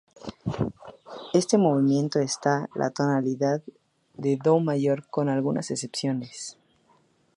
Este movimiento está� la tonalidad de do mayor, con algunas excepciones.